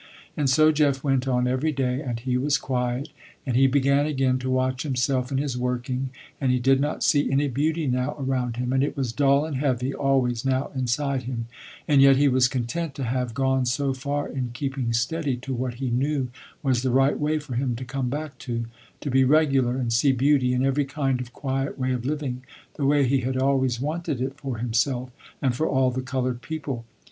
And so Jeff went on every day, and he was quiet, and he began again to watch himself in his working; and he did not see any beauty now around him, and it was dull and heavy always now inside him, and yet he was content to have gone so far in keeping steady to what he knew was the right way for him to come back to, to be regular, and see beauty in every kind of quiet way of living, the way he had always wanted it for himself and for all the colored people.